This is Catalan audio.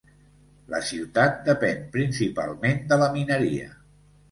La ciutat depèn principalment de la mineria.